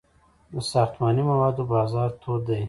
د ساختماني موادو بازار تود دی